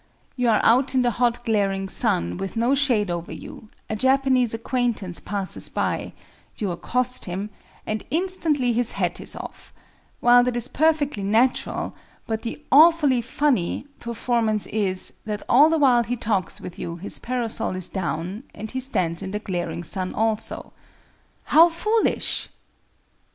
You are out in the hot glaring sun with no shade over you; a Japanese acquaintance passes by; you accost him, and instantly his hat is off—well, that is perfectly natural, but the "awfully funny" performance is, that all the while he talks with you his parasol is down and he stands in the glaring sun also. How foolish!